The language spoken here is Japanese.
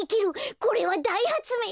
これはだいはつめいだよ！